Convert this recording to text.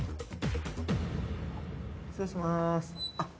失礼しまーす。